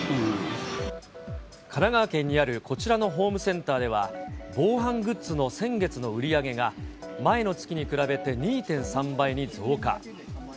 神奈川県にあるこちらのホームセンターでは、防犯グッズの先月の売り上げが、前の月に比べて２．３倍に増加。